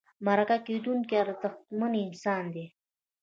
مرکه کېدونکی ارزښتمن انسان دی.